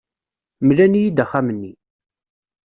Mlan-iyi-d axxam-nni.